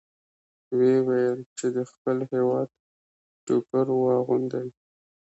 ویې ویل چې د خپل هېواد ټوکر واغوندئ.